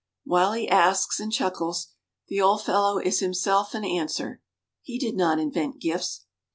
While he asks and chuckles, the old fellow is himself an answer. He did not invent gifts.